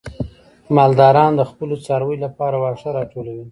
مالداران د خپلو څارویو لپاره واښه راټولوي.